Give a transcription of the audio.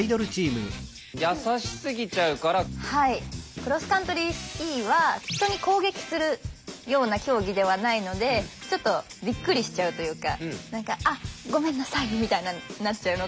クロスカントリースキーは人に攻撃するような競技ではないのでちょっとびっくりしちゃうというか何か「あっごめんなさい」みたいななっちゃうのかなっていう。